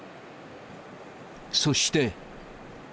そして。